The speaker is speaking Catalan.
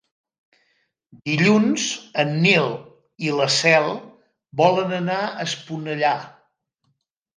Dilluns en Nil i na Cel volen anar a Esponellà.